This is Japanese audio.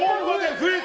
増えた！